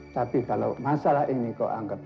tapi kalau masalah ini kok anggap